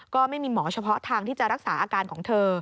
ก็ไม่มีหมอเฉพาะทางที่จะรักษาอาการของเธอ